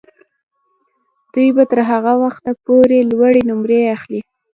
دوی به تر هغه وخته پورې لوړې نمرې اخلي.